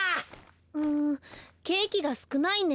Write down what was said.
んケーキがすくないね。